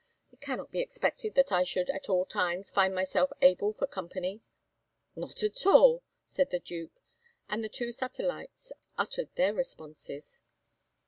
It cannot be expected that I should at all times find myself able for company." "Not at all!" said the Duke; and the two satellites uttered their responses.